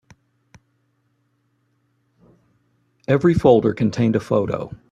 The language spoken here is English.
Every folder contained a photo.